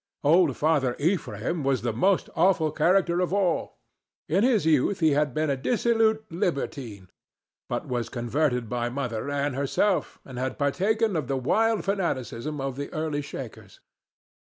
Old Father Ephraim was the most awful character of all. In his youth he had been a dissolute libertine, but was converted by Mother Ann herself, and had partaken of the wild fanaticism of the early Shakers.